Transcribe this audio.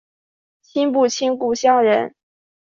亲不亲故乡人